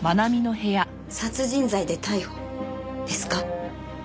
殺人罪で逮捕ですか？